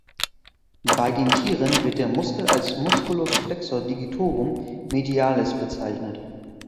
Bei den Tieren wird der Muskel als Musculus flexor digitorum medialis bezeichnet.